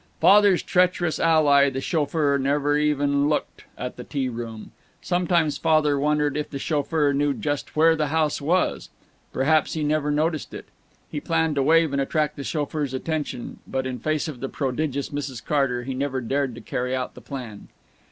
Father's treacherous ally the chauffeur never even looked at "The T Room." Sometimes Father wondered if the chauffeur knew just where the house was; perhaps he had never noticed it. He planned to wave and attract the chauffeur's attention, but in face of the prodigious Mrs. Carter he never dared to carry out the plan.